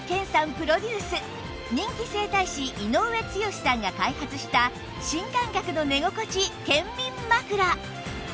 プロデュース人気整体師井上剛志さんが開発した新感覚の寝心地健眠枕